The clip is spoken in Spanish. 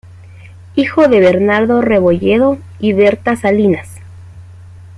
Hijo de Bernardo Rebolledo y Berta Salinas.